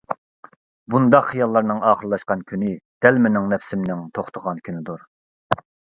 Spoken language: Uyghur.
بۇنداق خىياللارنىڭ ئاخىرلاشقان كۈنى دەل مېنىڭ نەپسىمنىڭ توختىغان كۈنىدۇر.